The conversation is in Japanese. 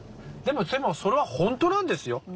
でもそれは本当なんですよ？